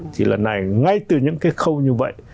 thì lần này ngay từ những cái khâu như vậy